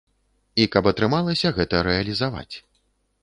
І каб атрымалася гэта рэалізаваць.